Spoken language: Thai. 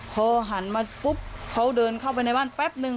พอหันมาปุ๊บเขาเดินเข้าไปในบ้านแป๊บนึง